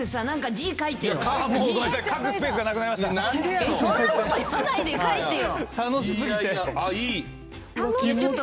そんなこと言わないで書いてよ。